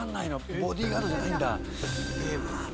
『ボディガード』じゃないんだ。